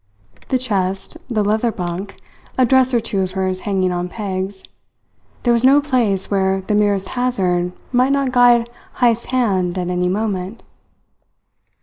The chest, the leather bunk, a dress or two of hers hanging on pegs there was no place where the merest hazard might not guide Heyst's hand at any moment.